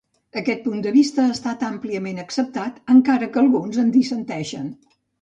Aquest punt de vista ha estat àmpliament acceptat, encara que alguns en dissenteixen.